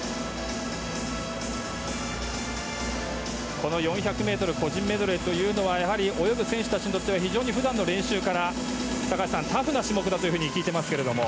この４００ｍ個人メドレーというのはやはり泳ぐ選手たちにとっては非常に普段の練習から高橋さん、タフな種目だと聞いていますけれども。